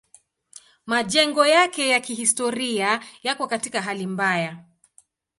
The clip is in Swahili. Majengo yake ya kihistoria yako katika hali mbaya.